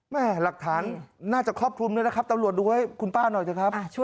หลักฐานน่าจะครอบคลุมด้วยนะครับตำรวจดูให้คุณป้าหน่อยเถอะครับ